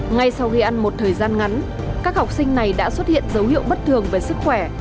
ngay sau khi ăn một thời gian ngắn các học sinh này đã xuất hiện dấu hiệu bất thường về sức khỏe